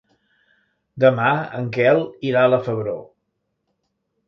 Demà en Quel irà a la Febró.